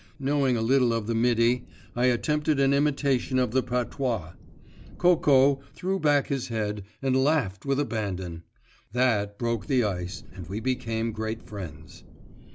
Knowing a little of the Midi, I attempted an imitation of the patois. Coco threw back his head and laughed with abandon. That broke the ice, and we became great friends.